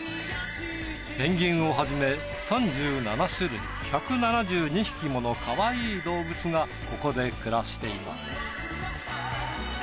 ペンギンをはじめ３７種類１７２匹ものかわいい動物がここで暮らしています。